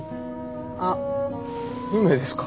あっ運命ですか？